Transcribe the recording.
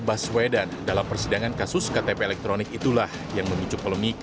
baswedan dalam persidangan kasus ktp elektronik itulah yang memicu polemik